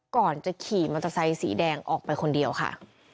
ก่อนจะขี่มอเตอร์ไซค์สีแดงออกไปคนเดียวค่ะ